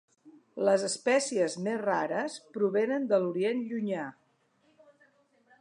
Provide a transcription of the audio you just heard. Les espècies més rares provenen de l'Orient Llunyà.